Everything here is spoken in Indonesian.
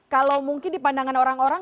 kalau mungkin di pandangan orang orang